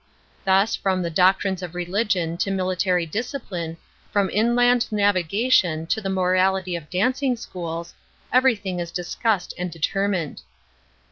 Thus, from the doctrines of religion to military discipline, from inland navigation to the morality of dancing schools, every thing is discussed and determined.